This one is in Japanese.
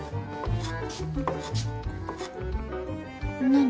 何？